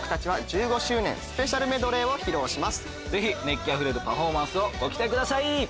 熱気あふれるパフォーマンスをご期待ください。